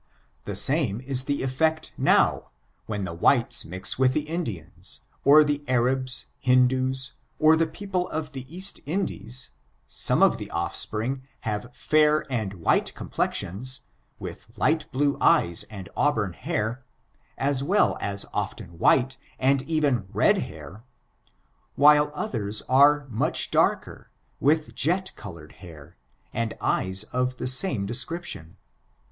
The same is the effect notr, when the whites mix with the Indians: or the Arabs, Hindoos, or the people of the East Indies, some of the oflfspring have fair and white complexions, with light blue eyes and auburn hair, as well as often white, and even red hair, while others are much darker, with jet colored hair, and eyes of the same description.